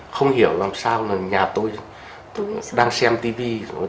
không hiểu làm sao là nhà tôi đang xem tv